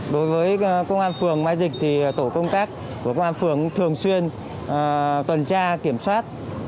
đối với công an phường mai dịch thì tổ công tác của công an phường thường xuyên tuần tra kiểm soát